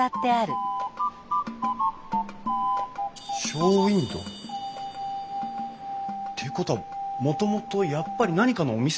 ショーウインドー。っていうことはもともとやっぱり何かのお店だった。